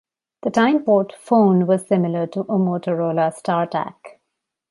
The Timeport phone was similar to a Motorola Startac.